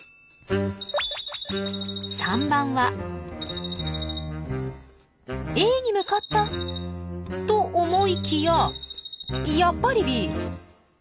３番はＡに向かったと思いきややっぱりＢ。